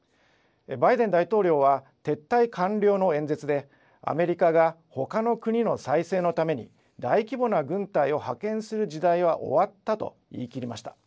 バイデン大統領は撤退完了の演説でアメリカがほかの国の再生のために大規模な軍隊を派遣する時代は終わったと言い切りました。